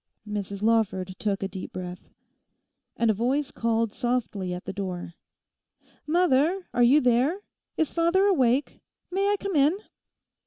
Mrs Lawford took a deep breath. And a voice called softly at the door, 'Mother, are you there? Is father awake? May I come in?